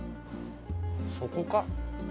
そこか？